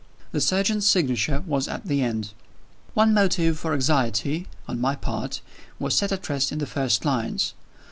The surgeon's signature was at the end. One motive for anxiety on my part was set at rest in the first lines.